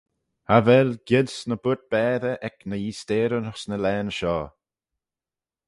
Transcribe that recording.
Cha vel giens ny burt baathey eck ny yeeasteyryn ayns ny laghyn shoh.